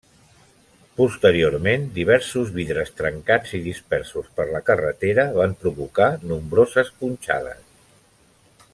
Posteriorment diversos vidres trencats i dispersos per la carretera van provocar nombroses punxades.